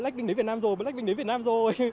blackpink đến việt nam rồi blackpink đến việt nam rồi